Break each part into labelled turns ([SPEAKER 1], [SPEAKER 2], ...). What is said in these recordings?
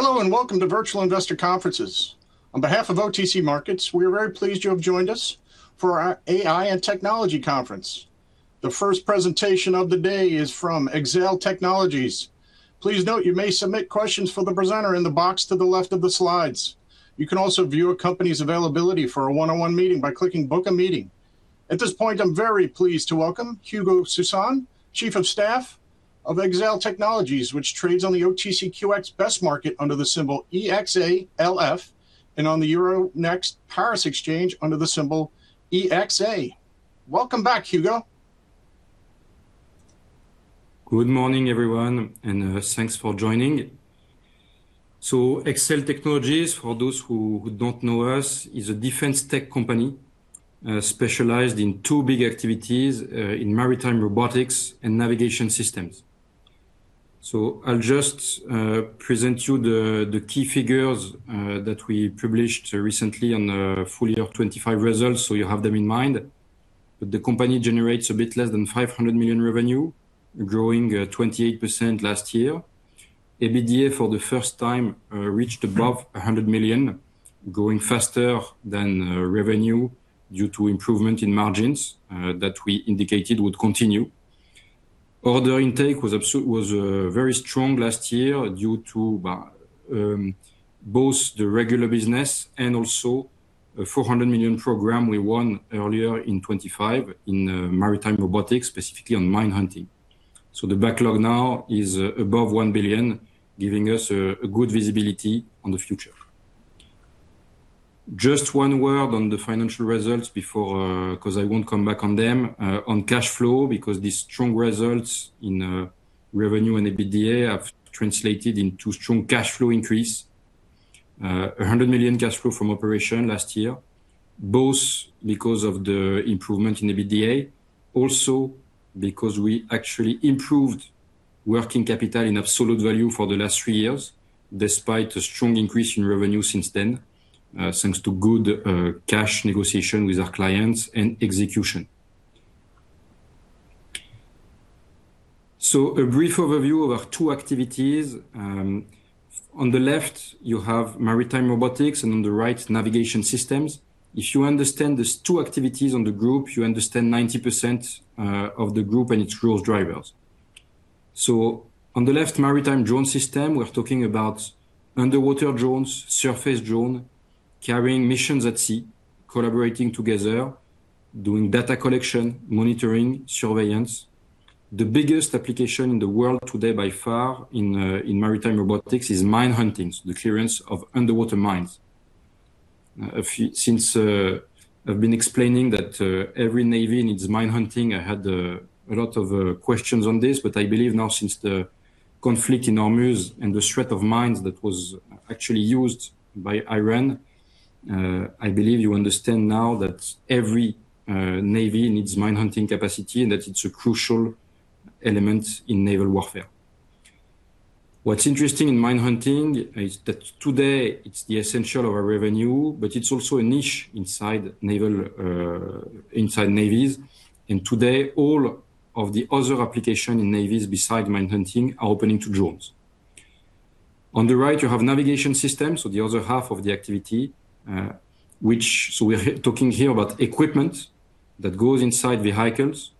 [SPEAKER 1] Hello, and welcome to Virtual Investor Conferences. On behalf of OTC Markets, we are very pleased you have joined us for our AI and Technology conference. The first presentation of the day is from Exail Technologies. Please note you may submit questions for the presenter in the box to the left of the slides. You can also view a company's availability for a one-on-one meeting by clicking Book a Meeting. At this point, I'm very pleased to welcome Hugo Soussan, Chief of Staff of Exail Technologies, which trades on the OTCQX Best Market under the symbol EXALF, and on the Euronext Paris exchange under the symbol EXA. Welcome back, Hugo.
[SPEAKER 2] Good morning, everyone, and thanks for joining. Exail Technologies, for those who don't know us, is a defense tech company specialized in two big activities, in maritime robotics and navigation systems. I'll just present you the key figures that we published recently on full year 2025 results so you have them in mind. The company generates a bit less than 500 million revenue, growing 28% last year. EBITDA for the first time reached above 100 million, growing faster than revenue due to improvement in margins that we indicated would continue. Order intake was very strong last year due to both the regular business and also a 400 million program we won earlier in 2025 in maritime robotics, specifically on mine hunting. The backlog now is above 1 billion, giving us a good visibility on the future. Just one word on the financial results before, because I won't come back on them, on cash flow because these strong results in revenue and EBITDA have translated into strong cash flow increase. 100 million cash flow from operations last year, both because of the improvement in EBITDA, also because we actually improved working capital in absolute value for the last three years, despite a strong increase in revenue since then thanks to good cash negotiation with our clients and execution. A brief overview of our two activities. On the left you have maritime robotics, and on the right navigation systems. If you understand these two activities on the group, you understand 90% of the group and its growth drivers. On the left, maritime drone system, we're talking about underwater drones, surface drone, carrying missions at sea, collaborating together, doing data collection, monitoring, surveillance. The biggest application in the world today by far in maritime robotics is mine hunting, the clearance of underwater mines. Since I've been explaining that every navy needs mine hunting, I had a lot of questions on this, but I believe now since the conflict in Hormuz and the threat of mines that was actually used by Iran, I believe you understand now that every navy needs mine hunting capacity and that it's a crucial element in naval warfare. What's interesting in mine hunting is that today it's the essence of our revenue, but it's also a niche inside navies. Today, all of the other application in navies besides mine hunting are opening to drones. On the right you have navigation systems, so the other half of the activity. We're talking here about equipment that goes inside vehicles,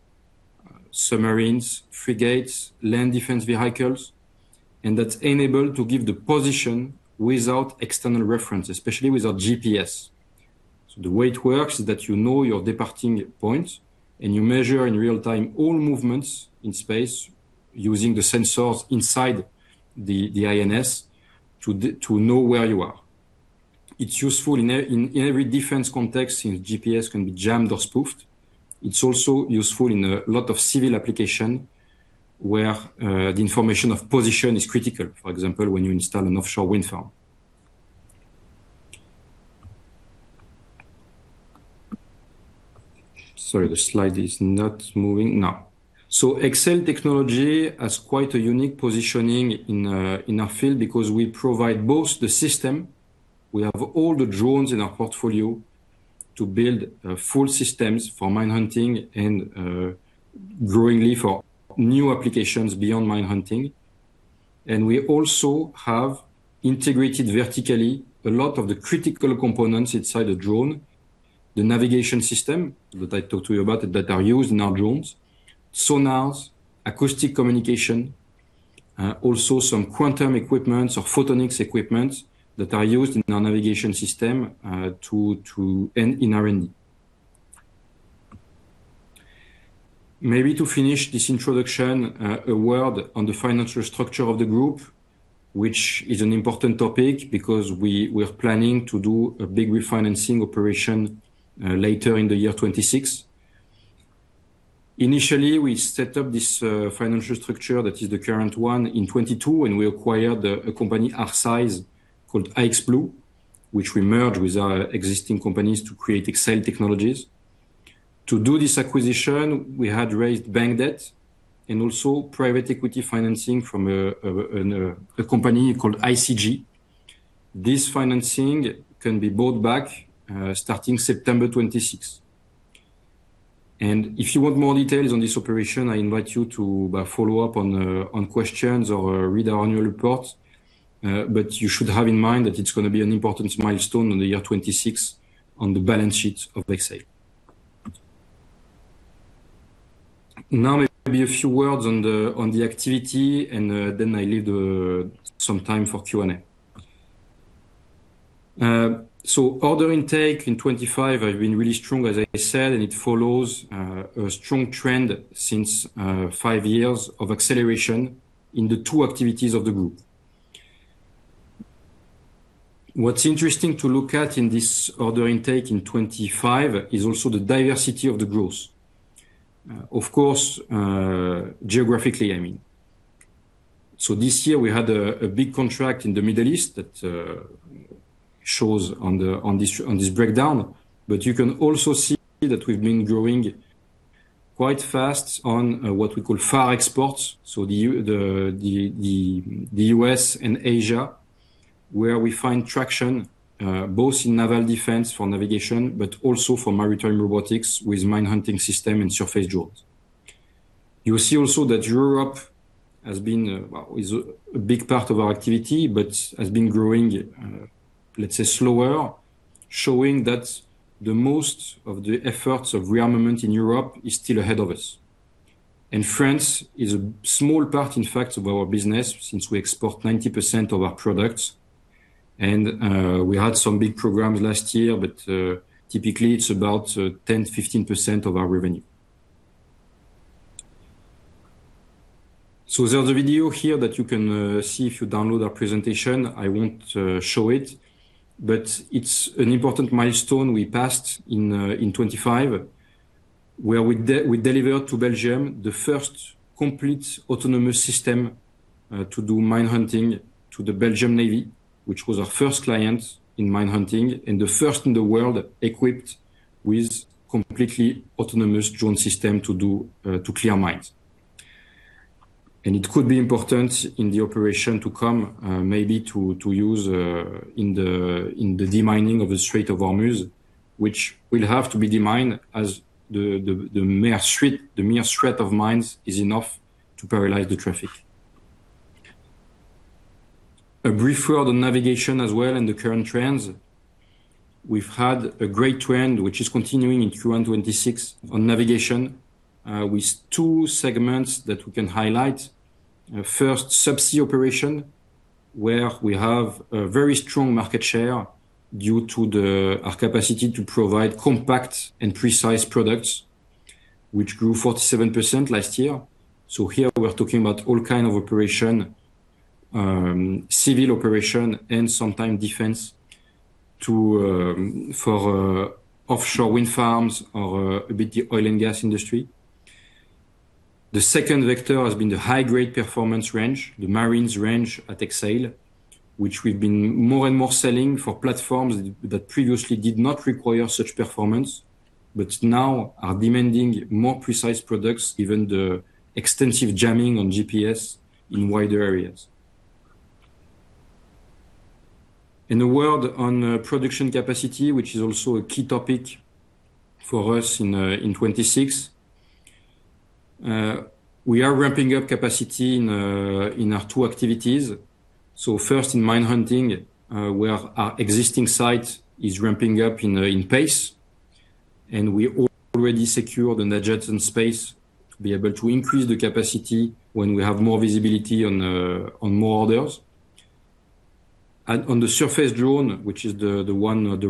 [SPEAKER 2] submarines, frigates, land defense vehicles, and that's enabled to give the position without external reference, especially without GPS. The way it works is that you know your departing point, and you measure in real-time all movements in space using the sensors inside the INS to know where you are. It's useful in every defense context since GPS can be jammed or spoofed. It's also useful in a lot of civil application where the information of position is critical. For example, when you install an offshore wind farm. Sorry, the slide is not moving. Now. Exail Technologies has quite a unique positioning in our field because we provide both the system. We have all the drones in our portfolio to build full systems for mine hunting and growingly for new applications beyond mine hunting. We also have integrated vertically a lot of the critical components inside a drone, the navigation system that I talked to you about that are used in our drones, sonars, acoustic communication, also some quantum equipments or photonics equipments that are used in our navigation system and in R&D. Maybe to finish this introduction, a word on the financial structure of the group, which is an important topic because we are planning to do a big refinancing operation later in the year 2026. Initially, we set up this financial structure that is the current one in 2022 when we acquired a company our size called iXblue, which we merged with our existing companies to create Exail Technologies. To do this acquisition, we had raised bank debt and also private equity financing from a company called ICG. This financing can be bought back starting September 26. If you want more details on this operation, I invite you to follow up on questions or read our annual report. You should have in mind that it's going to be an important milestone in the year 2026 on the balance sheet of Exail. Now, maybe a few words on the activity, and then I leave some time for Q&A. Order intake in 2025 has been really strong, as I said, and it follows a strong trend since five years of acceleration in the two activities of the group. What's interesting to look at in this order intake in 2025 is also the diversity of the growth. Of course, geographically, I mean. This year we had a big contract in the Middle East that shows on this breakdown. You can also see that we've been growing quite fast on what we call foreign exports. The U.S. and Asia, where we find traction, both in naval defense for navigation, but also for maritime robotics with mine hunting system and surface drones. You will see also that Europe is a big part of our activity, but has been growing, let's say, slower, showing that the most of the efforts of rearmament in Europe is still ahead of us. France is a small part, in fact, of our business, since we export 90% of our products, and we had some big programs last year, but typically it's about 10%-15% of our revenue. There's a video here that you can see if you download our presentation. I won't show it, but it's an important milestone we passed in 2025, where we delivered to Belgium the first complete autonomous system to do mine hunting to the Belgian Navy, which was our first client in mine hunting and the first in the world equipped with completely autonomous drone system to clear mines. It could be important in the operation to come, maybe to use in the demining of the Strait of Hormuz, which will have to be demined, as the mere threat of mines is enough to paralyze the traffic. A brief word on navigation as well and the current trends. We've had a great trend, which is continuing into 2026 on navigation, with two segments that we can highlight. First, subsea operation, where we have a very strong market share due to our capacity to provide compact and precise products, which grew 47% last year. Here we're talking about all kind of operation, civil operation, and sometimes defense for offshore wind farms or a bit the oil and gas industry. The second vector has been the high-grade performance range, the Marins range at Exail, which we've been more and more selling for platforms that previously did not require such performance, but now are demanding more precise products, given the extensive jamming on GPS in wider areas. In terms of production capacity, which is also a key topic for us in 2026, we are ramping up capacity in our two activities. First in mine hunting, where our existing site is ramping up apace, and we already secured an adjacent space to be able to increase the capacity when we have more visibility on more orders. On the surface drone, which is the one, the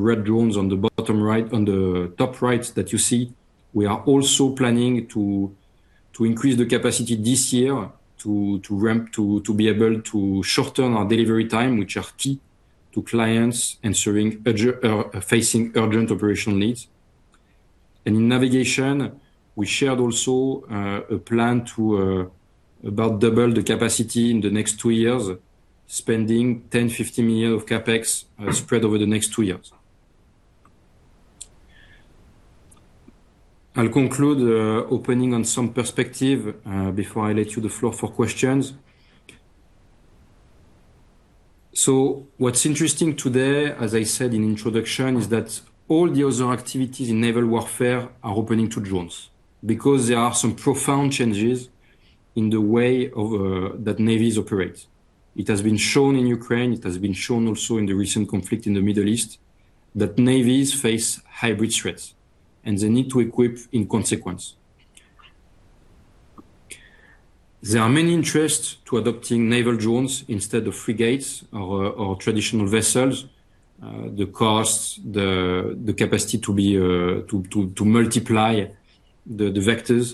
[SPEAKER 2] red drones on the bottom right, on the top right that you see, we are also planning to increase the capacity this year to be able to shorten our delivery time, which are key to clients in facing urgent operational needs. In navigation, we shared also a plan to about double the capacity in the next two years, spending 10 million-15 million of CapEx spread over the next two years. I'll conclude opening on some perspective before I let you the floor for questions. What's interesting today, as I said in introduction, is that all the other activities in naval warfare are opening to drones because there are some profound changes in the way that navies operate. It has been shown in Ukraine, it has been shown also in the recent conflict in the Middle East, that navies face hybrid threats, and they need to equip in consequence. There are many interests to adopting naval drones instead of frigates or traditional vessels. The costs, the capacity to multiply the vectors.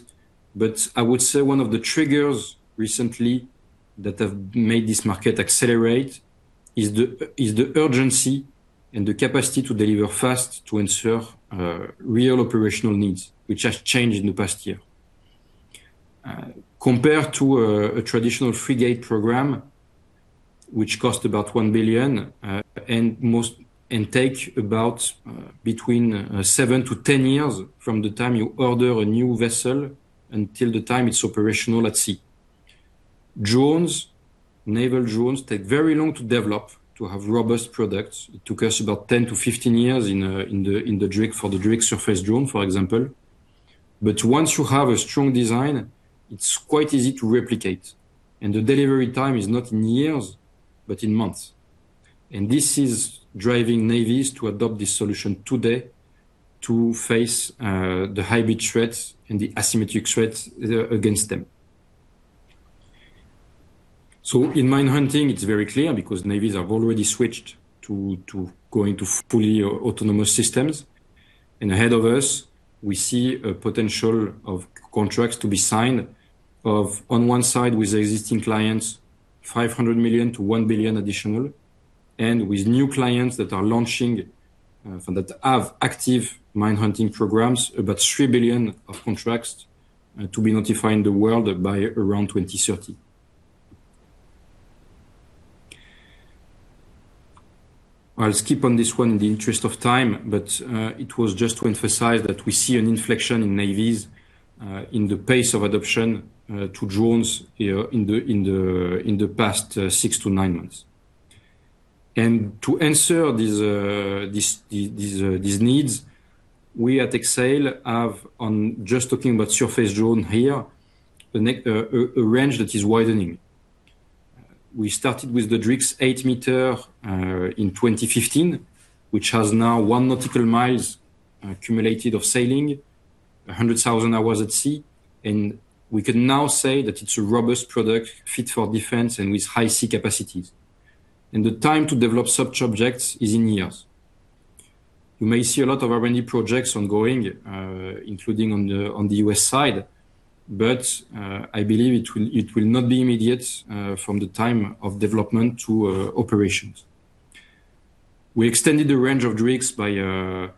[SPEAKER 2] I would say one of the triggers recently that have made this market accelerate is the urgency and the capacity to deliver fast to ensure real operational needs, which has changed in the past year. Compared to a traditional frigate program, which cost about 1 billion, and take about between 7-10 years from the time you order a new vessel until the time it's operational at sea. Drones, naval drones take very long to develop to have robust products. It took us about 10-15 years for the DriX surface drone, for example. Once you have a strong design, it's quite easy to replicate, and the delivery time is not in years, but in months. This is driving navies to adopt this solution today to face the hybrid threats and the asymmetric threats against them. In mine hunting it's very clear because navies have already switched to going to fully autonomous systems. Ahead of us, we see a potential of contracts to be signed of on one side with existing clients, 500 million-1 billion additional. With new clients that are launching, that have active mine hunting programs, about 3 billion of contracts to be notified in the world by around 2030. I'll skip on this one in the interest of time, but it was just to emphasize that we see an inflection in navies, in the pace of adoption, to drones here in the past 6-9 months. To answer these needs, we at Exail have on just talking about surface drone here, a range that is widening. We started with the DriX 8-meter, in 2015, which has now 16,000 nautical miles accumulated of sailing 100,000 hours at sea. We can now say that it's a robust product fit for defense and with high sea capacities. The time to develop such objects is in years. You may see a lot of R&D projects ongoing, including on the U.S. side, but I believe it will not be immediate, from the time of development to operations. We extended the range of DriX by the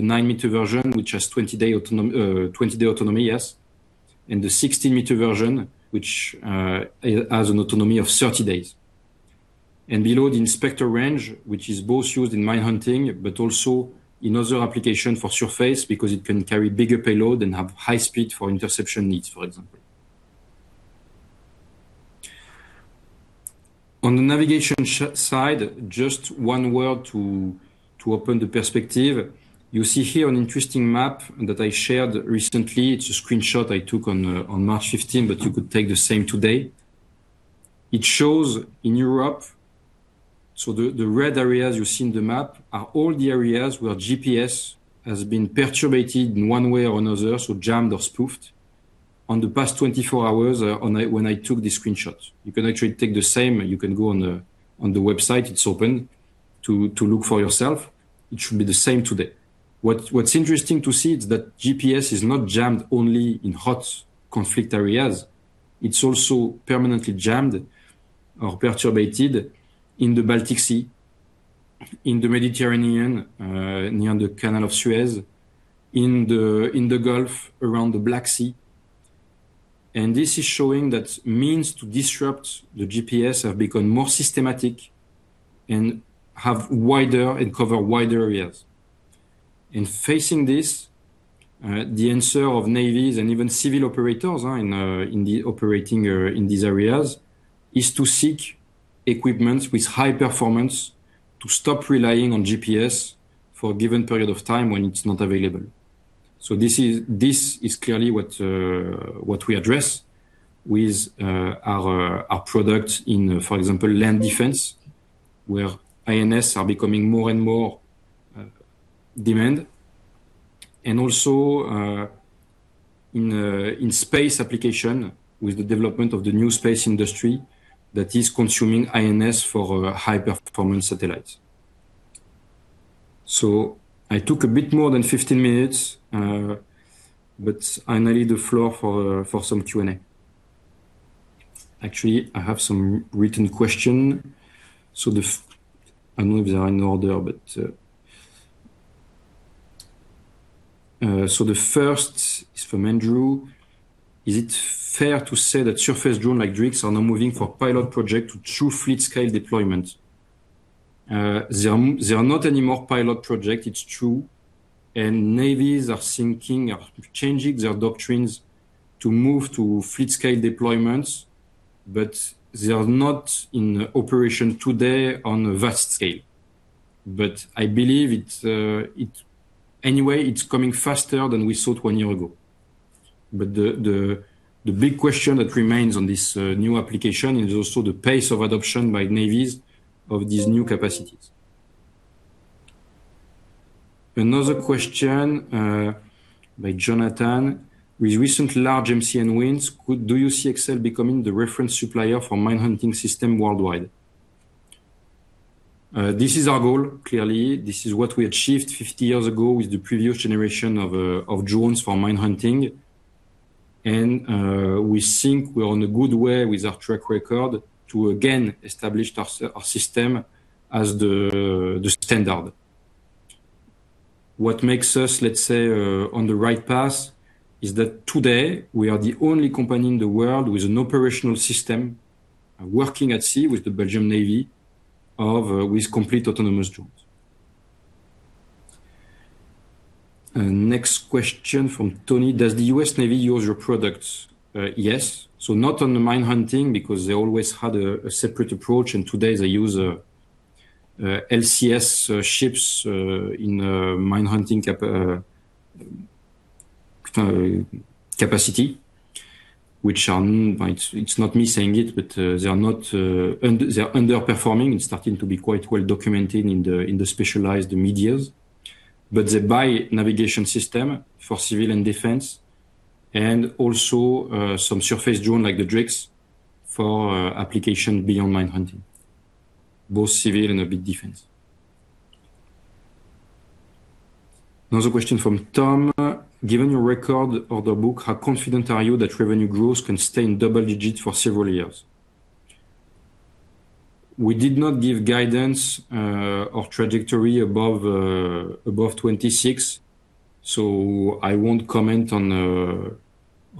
[SPEAKER 2] 9-meter version, which has 20-day autonomy, yes, and the 60-meter version, which has an autonomy of 30 days. Below the Inspector range, which is both used in mine hunting, but also in other application for surface because it can carry bigger payload and have high speed for interception needs, for example. On the navigation side, just one word to open the perspective. You see here an interesting map that I shared recently. It's a screenshot I took on March 15, but you could take the same today. It shows in Europe, so the red areas you see in the map are all the areas where GPS has been perturbed in one way or another, so jammed or spoofed in the past 24 hours when I took the screenshot. You can actually take the same, you can go on the website, it's open to look for yourself. It should be the same today. What's interesting to see is that GPS is not jammed only in hot conflict areas. It's also permanently jammed or perturbated in the Baltic Sea, in the Mediterranean, near the Canal of Suez, in the Gulf, around the Black Sea. This is showing that means to disrupt the GPS have become more systematic and cover wide areas. In facing this, the answer of navies and even civil operators in the operating area in these areas is to seek equipment with high performance to stop relying on GPS for a given period of time when it's not available. This is clearly what we address with our products in, for example, land defense, where INS are becoming more and more demanded. Also, in space application with the development of the new space industry that is consuming INS for high-performance satellites. I took a bit more than 15 minutes, but I need the floor for some Q&A. Actually, I have some written question. I don't know if they are in order, but. The first is from Andrew. Is it fair to say that surface drone like DriX are now moving from pilot project to true fleet scale deployment? There are not any more pilot project, it's true, and navies are thinking of changing their doctrines to move to fleet scale deployments, but they are not in operation today on a vast scale. I believe anyway, it's coming faster than we thought one year ago. The big question that remains on this new application is also the pace of adoption by navies of these new capacities. Another question, by Jonathan. With recent large MCM wins, do you see Exail becoming the reference supplier for mine hunting system worldwide? This is our goal. Clearly, this is what we achieved 50 years ago with the previous generation of drones for mine hunting. We think we are on a good way with our track record to again establish our system as the standard. What makes us, let's say, on the right path is that today we are the only company in the world with an operational system working at sea with the Belgian Navy, with complete autonomous drone. Next question from Tony: Does the U.S. Navy use your products? Yes. So not on the mine hunting because they always had a separate approach, and today they use LCS ships in a mine hunting capacity, which it's not me saying it, but they are underperforming. It's starting to be quite well documented in the specialized media. They buy navigation system for civil and defense, and also some surface drone like the DriX for application beyond mine hunting, both civil and a bit defense. Another question from Tom: Given your order book, how confident are you that revenue growth can stay in double digits for several years? We did not give guidance, or trajectory above 2026. I won't comment on,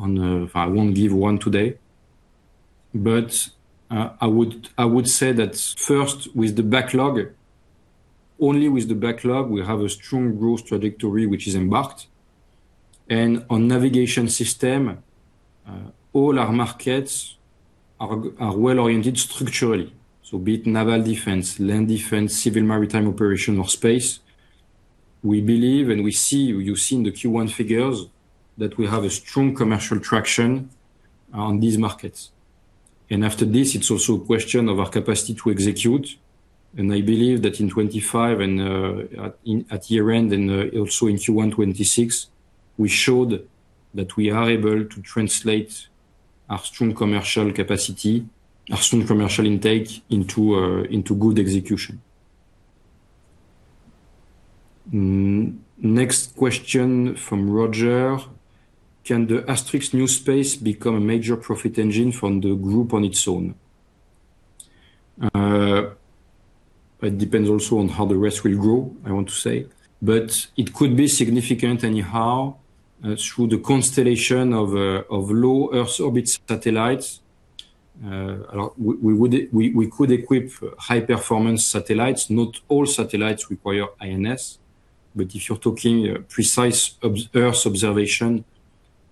[SPEAKER 2] I won't give one today. I would say that first with the backlog, only with the backlog, we have a strong growth trajectory, which is baked in. On navigation system, all our markets are well-oriented structurally. Be it naval defense, land defense, civil maritime operation or space. We believe, and you've seen the Q1 figures, that we have a strong commercial traction on these markets. After this, it's also a question of our capacity to execute. I believe that in 2025 and at year-end and also in Q1 2026, we showed that we are able to translate our strong commercial capacity, our strong commercial intake into good execution. Next question from Roger: Can the Astrix new space become a major profit engine from the group on its own? It depends also on how the rest will grow, I want to say. But it could be significant anyhow, through the constellation of low Earth orbit satellites. We could equip high performance satellites. Not all satellites require INS, but if you're talking precise Earth observation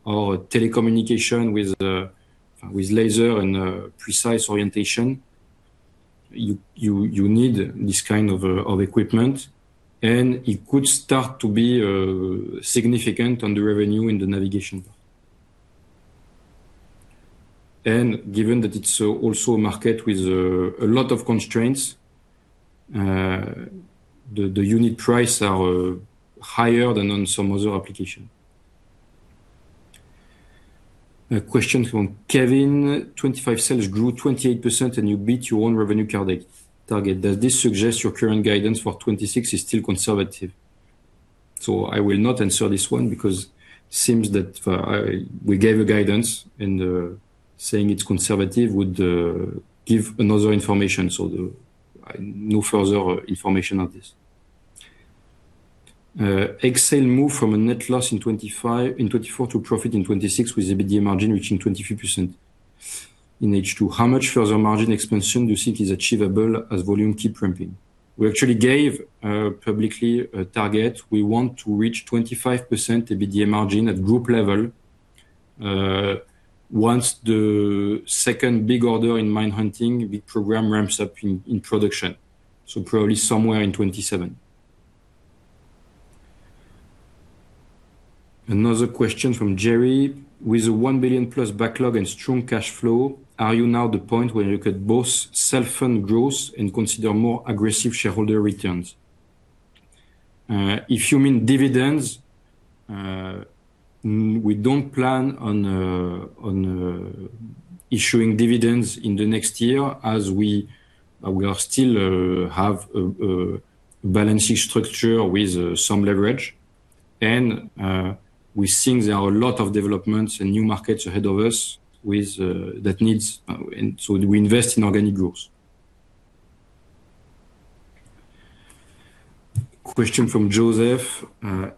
[SPEAKER 2] or telecommunication with laser and precise orientation, you need this kind of equipment. It could start to be significant on the revenue in the navigation. Given that it's also a market with a lot of constraints, the unit price are higher than on some other application. A question from Kevin: 2025 sales grew 28%, and you beat your own revenue target. Does this suggest your current guidance for 2026 is still conservative? I will not answer this one because it seems that we gave a guidance and saying it's conservative would give another information. No further information on this. Exail moved from a net loss in 2024 to profit in 2026 with EBITDA margin reaching 25% in H2. How much further margin expansion do you think is achievable as volume keep ramping? We actually gave publicly a target. We want to reach 25% EBITDA margin at group level, once the second big order in mine hunting, the program ramps up in production. Probably somewhere in 2027. Another question from Jerry: With a 1 billion-plus backlog and strong cash flow, are you now at the point where you could both self-fund growth and consider more aggressive shareholder returns? If you mean dividends, we don't plan on issuing dividends in the next year as we still have a balancing structure with some leverage. We think there are a lot of developments and new markets ahead of us with the needs, so we invest in organic growth. Question from Joseph: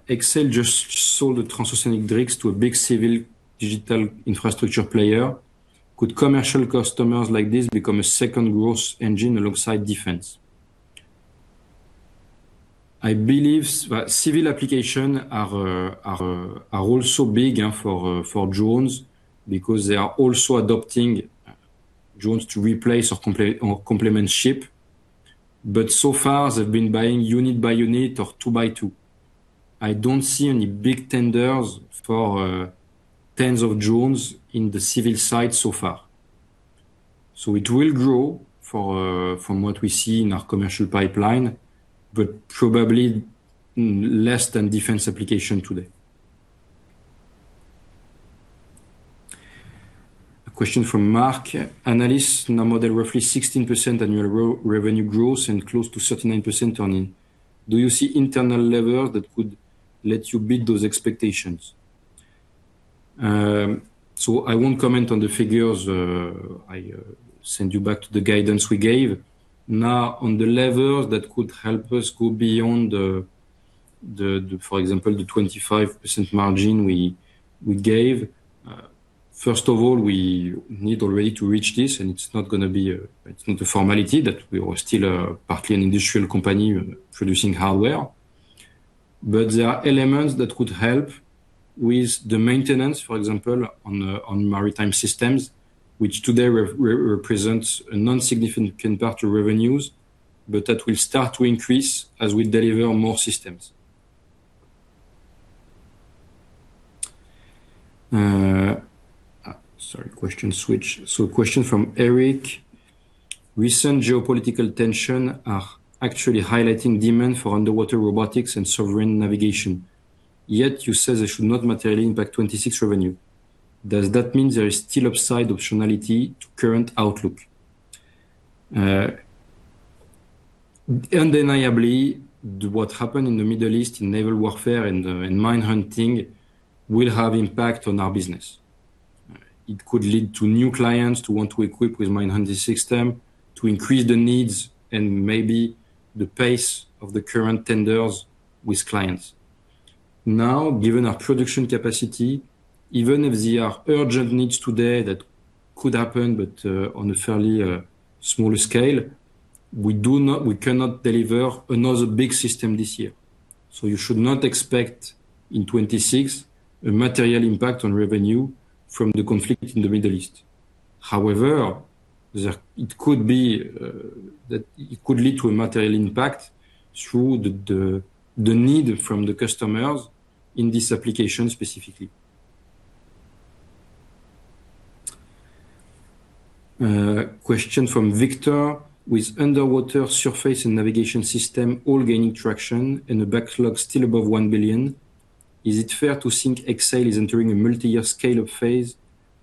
[SPEAKER 2] Exail just sold a transoceanic DriX to a big civil digital infrastructure player. Could commercial customers like this become a second growth engine alongside defense? I believe civil applications are also big for drones because they are also adopting drones to replace or complement ships. But so far they've been buying unit by unit or two by two. I don't see any big tenders for tens of drones in the civil side so far. It will grow from what we see in our commercial pipeline, but probably less than defense application today. A question from Mark: Analysts now model roughly 16% annual revenue growth and close to 39% on it. Do you see internal lever that could let you beat those expectations? I won't comment on the figures. I send you back to the guidance we gave. Now on the level that could help us go beyond that, for example, the 25% margin we gave. First of all, we need already to reach this, and it's not going to be a formality that we are still partly an industrial company producing hardware. There are elements that could help with the maintenance, for example, on maritime systems, which today represents a non-significant contribution revenues, but that will start to increase as we deliver more systems. Sorry, question switch. Question from Eric. "Recent geopolitical tension are actually highlighting demand for underwater robotics and sovereign navigation. Yet you say they should not materially impact 2026 revenue. Does that mean there is still upside optionality to current outlook?" Undeniably, what happened in the Middle East in naval warfare and in mine hunting will have impact on our business. It could lead to new clients to want to equip with mine hunting system to increase the needs and maybe the pace of the current tenders with clients. Now, given our production capacity, even if there are urgent needs today, that could happen, but on a fairly smaller scale. We cannot deliver another big system this year. You should not expect in 2026 a material impact on revenue from the conflict in the Middle East. However, it could lead to a material impact through the need from the customers in this application specifically. A question from Victor: "With underwater, surface, and navigation systems all gaining traction and the backlog still above 1 billion, is it fair to think Exail is entering a multi-year scale-up phase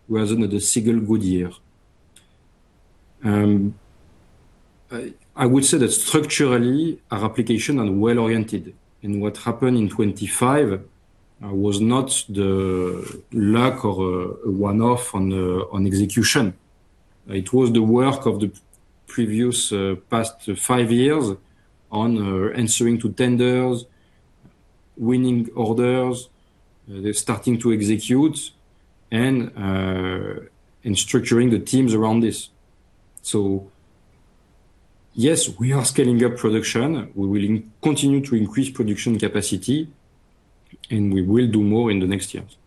[SPEAKER 2] rather than a single good year?" I would say that structurally, our applications are well-oriented, and what happened in 2025 was not luck or a one-off on execution. It was the work of the past five years on answering to tenders, winning orders. They're starting to execute and structuring the teams around this. Yes, we are scaling up production. We will continue to increase production capacity, and we will do more in the next years.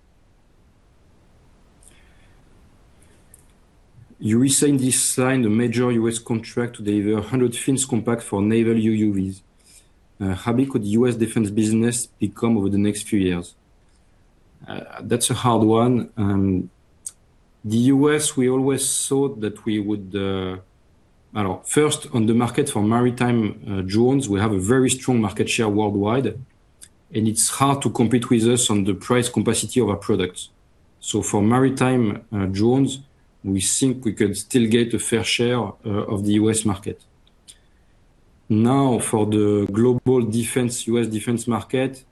[SPEAKER 2] "You recently signed a major U.S. contract to deliver 100 Phins Compact for naval UUVs. How big could U.S. defense business become over the next few years?" That's a hard one. The U.S., we always thought that we would first, on the market for maritime drones, we have a very strong market share worldwide, and it's hard to compete with us on the price capacity of our products. For maritime drones, we think we can still get a fair share of the U.S. market. Now for the global defense, U.S. defense market,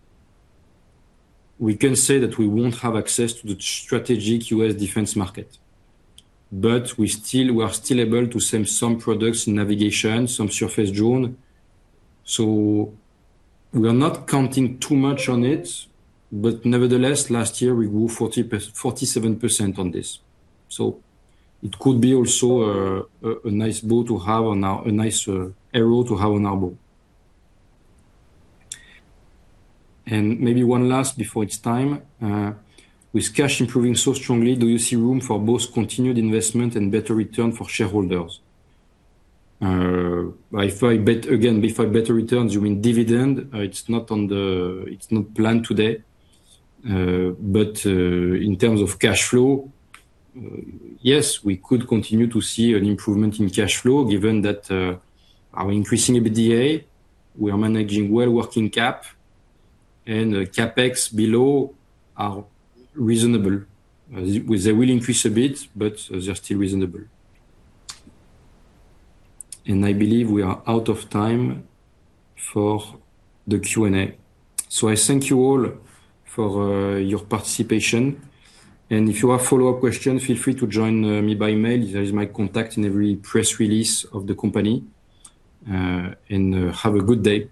[SPEAKER 2] we can say that we won't have access to the strategic U.S. defense market. We are still able to sell some products in navigation, some surface drone, so we are not counting too much on it. Nevertheless, last year we grew 47% on this. It could be also a nice arrow to have on our bow. Maybe one last before it's time. "With cash improving so strongly, do you see room for both continued investment and better return for shareholders?" Again, by better returns, you mean dividend? It's not planned today. In terms of cash flow, yes, we could continue to see an improvement in cash flow given that our increasing EBITDA, we are managing well working cap, and the CapEx below are reasonable. They will increase a bit, but they're still reasonable. I believe we are out of time for the Q&A. I thank you all for your participation. If you have follow-up questions, feel free to join me by mail. There is my contact in every press release of the company. Have a good day.